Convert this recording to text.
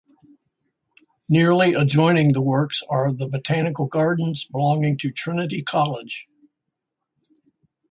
Nearly adjoining the works are the botanical gardens belonging to Trinity College'.